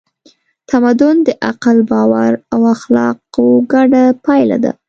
تمدن د عقل، باور او اخلاقو ګډه پایله ده.